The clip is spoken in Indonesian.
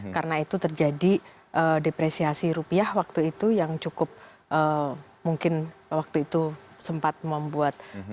karena itu terjadi depresiasi rupiah waktu itu yang cukup mungkin waktu itu sempat membuatnya